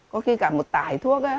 có khi cả một tải thuốc á